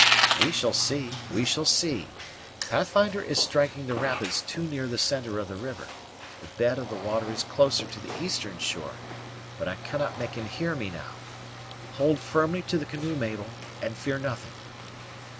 "We shall see, we shall see. Pathfinder is striking the rapids too near the centre of the river; the bed of the water is closer to the eastern shore; but I cannot make him hear me now. Hold firmly to the canoe, Mabel, and fear nothing."